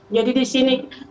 jadi di sini